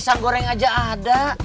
pisang goreng aja ada